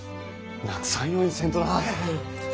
なくさんようにせんとな！